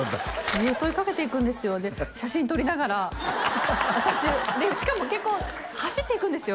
ずーっと追いかけていくんですよで写真撮りながら私しかも結構走っていくんですよ